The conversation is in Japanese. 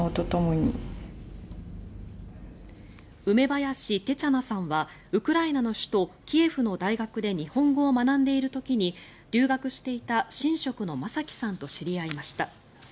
梅林テチャナさんはウクライナの首都キエフの大学で日本語を学んでいる時に留学していた神職の正樹さんと知り合いました。